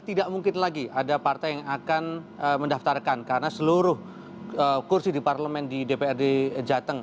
tidak mungkin lagi ada partai yang akan mendaftarkan karena seluruh kursi di parlemen di dprd jateng